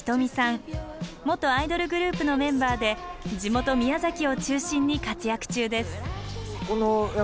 元アイドルグループのメンバーで地元宮崎を中心に活躍中です。